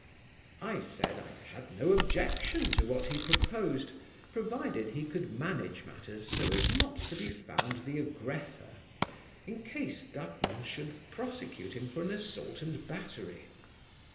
I said, I had no objection to what he proposed, provided he could manage matters so as not to be found the aggressor, in case Dutton should prosecute him for an assault and battery.